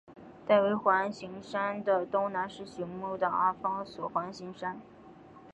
戴维环形山的东南是醒目的阿方索环形山。